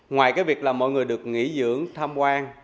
ngoài việc mọi người được nghỉ dưỡng tham quan